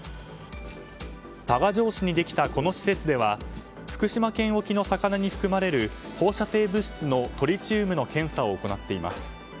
多賀城市にできたこの施設では福島県沖の魚に含まれる放射性物質のトリチウムの検査を行っています。